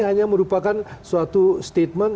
hanya merupakan suatu statement